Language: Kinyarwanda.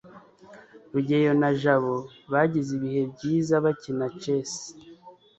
rugeyo na jabo bagize ibihe byiza bakina chess